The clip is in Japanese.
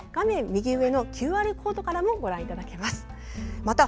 右上のＱＲコードからもご覧いただけます。